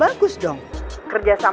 aku sedang mengantuk